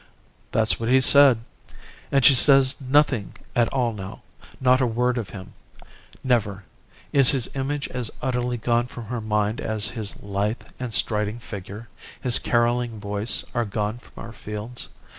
"That's what he said. And she says nothing at all now. Not a word of him. Never. Is his image as utterly gone from her mind as his lithe and striding figure, his carolling voice are gone from our fields?